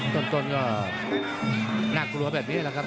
ต้นก็น่ากลัวแบบนี้แหละครับ